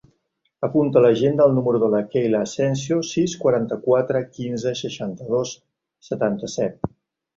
Apunta a l'agenda el número de la Keyla Asensio: sis, quaranta-quatre, quinze, seixanta-dos, setanta-set.